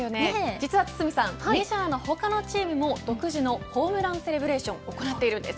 実は堤さんメジャーの他のチームも独自のホームランセレブレーション行っているんです。